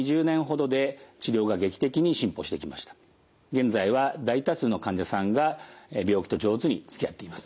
現在は大多数の患者さんが病気と上手につきあっています。